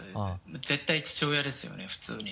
絶対父親ですよね普通に。